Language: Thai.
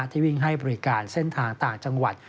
ที่วิ่งให้บริการเส้นทางต่างจังหวัด